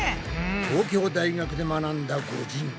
東京大学で学んだ御仁。